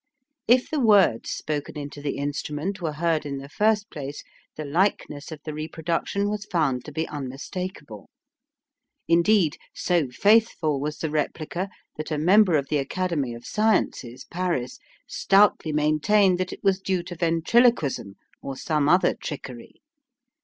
If the words spoken into the instrument were heard in the first place, the likeness of the reproduction was found to be unmistakable. Indeed, so faithful was the replica, that a member of the Academy of Sciences, Paris, stoutly maintained that it was due to ventriloquism or some other trickery.